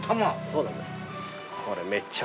そうなんですこれ。